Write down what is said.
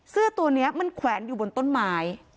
เสื้อตัวนี้มันแขวนอยู่บนต้นไม้